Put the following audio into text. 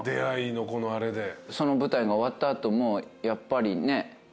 その舞台が終わった後もやっぱりね。